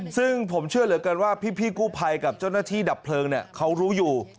ซึ่งผมเชื่อเหลือเกินว่าพี่กู้ภัยกับเจ้าหน้าที่ดับเพลิงเขารู้อยู่